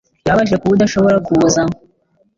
Birababaje kuba udashobora kuza.